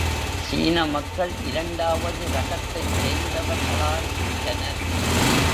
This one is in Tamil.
சீன மக்கள் இரண்டாவது ரகத்தைச் சேர்ந்தவர்களாய் விட்டனர்.